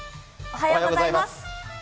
おはようございます。